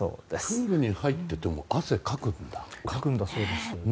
プールに入ってても汗かくんだ。